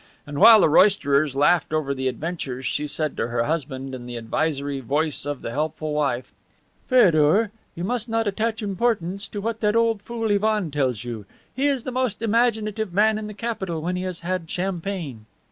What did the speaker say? And while the roisterers laughed over the adventure she said to her husband in the advisory voice of the helpful wife: "Feodor, you must not attach importance to what that old fool Ivan tells you. He is the most imaginative man in the capital when he has had champagne."